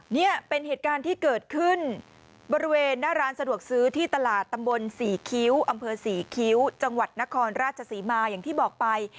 นี่เป็นเหตุการณ์ที่เกิดขึ้นบริเวณหน้าร้านสะดวกซื้อที่ตลาดตำบลศรีคิ้วอำเภอศรีคิ้วจังหวัดนครราชศรีมาอย่างที่บอกไป